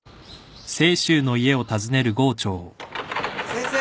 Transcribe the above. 先生！